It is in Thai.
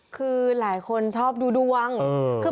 คือหลายคนชอบดูดวง